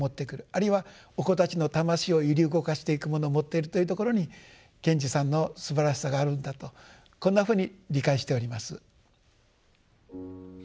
あるいはお子たちの魂を揺り動かしていくもの持っているというところに賢治さんのすばらしさがあるんだとこんなふうに理解しております。